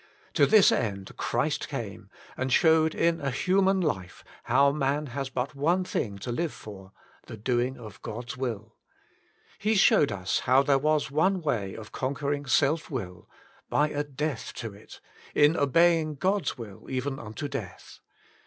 To this end Christ came and Showed in a Human Life, How Man Has but One Thing to Live for^ the Doing of God's Will. He showed us how there was one way of conquering self will — ^by a death ^ to it, in obeying God's will even unto death.